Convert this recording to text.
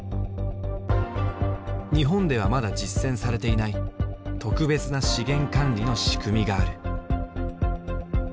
日本ではまだ実践されていない特別な資源管理の仕組みがある。